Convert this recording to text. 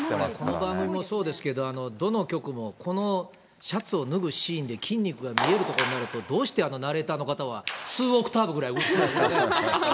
この番組もそうですけど、どの局も、このシャツを脱ぐシーンで、筋肉が見えるところになると、どうしてナレーターの方はツーオクターブぐらい上に。